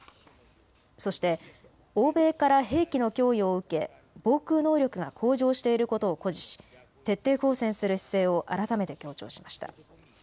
そして欧米から兵器の供与を受け防空能力が向上していることを誇示し徹底抗戦する姿勢を改めて強調しました。